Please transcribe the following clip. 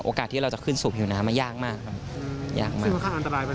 ที่เราจะขึ้นสูบผิวน้ำมันยากมากครับยากมาก